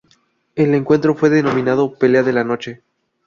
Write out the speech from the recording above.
El encuentro fue denominado "Pelea de la Noche".